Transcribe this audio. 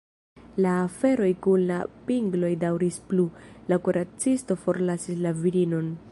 La aferoj kun la pingloj daŭris plu, la kuracisto forlasis la virinon.